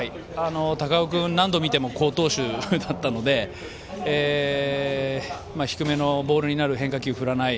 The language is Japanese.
高尾君、何度見ても好投手だったので低めのボールになる変化球振らない。